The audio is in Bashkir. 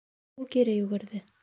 Ул кире йүгерҙе.